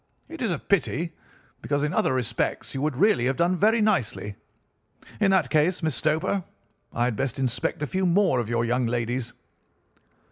It is a pity, because in other respects you would really have done very nicely. In that case, Miss Stoper, I had best inspect a few more of your young ladies.